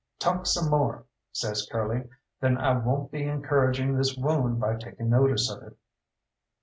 "Talk some more," says Curly, "then I won't be encouraging this wound by taking notice of it."